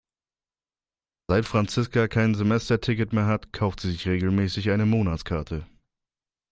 Seit Franziska kein Semesterticket mehr hat, kauft sie sich regelmäßig eine Monatskarte.